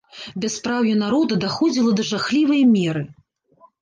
Бяспраўе народа даходзіла да жахлівай меры.